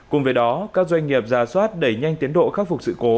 cùng với đó các doanh nghiệp giả soát đẩy nhanh tiến độ khắc phục sự cố